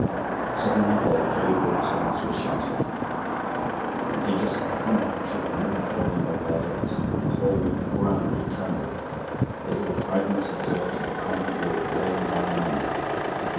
Suddenly their jovial repose was shattered. A prodigious thump shook the wooden flooring above their heads; the whole granary trembled, little fragments of dirt and crumbled wood rained down among them.